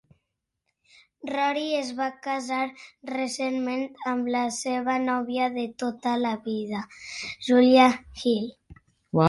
Rory es va casar recentment amb la seva nòvia de tota la vida Julia Hill.